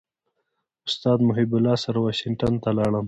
استاد محب الله سره واشنګټن ته ولاړم.